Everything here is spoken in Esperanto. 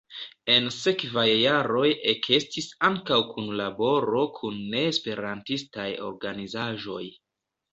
En sekvaj jaroj ekestis ankaŭ kunlaboro kun ne-esperantistaj organizaĵoj.